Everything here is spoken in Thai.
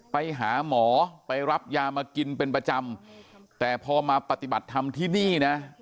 ไปหาหมอไปรับยามากินเป็นประจำแต่พอมาปฏิบัติธรรมที่นี่นะ